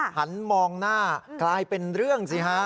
หันมองหน้ากลายเป็นเรื่องสิฮะ